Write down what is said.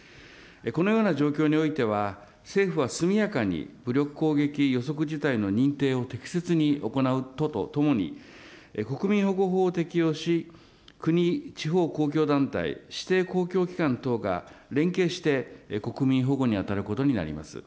このような状況においては、政府は速やかに武力攻撃予測事態の認定を適切に行うとともに、国民保護法を適用し、国、地方公共団体、指定公共機関等が連携して国民保護にあたることになります。